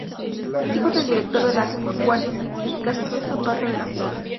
Hijo del director de la Guardia Civil, Gastón Zapata de la Flor.